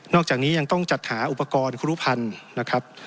อกจากนี้ยังต้องจัดหาอุปกรณ์ครูพันธุ์นะครับ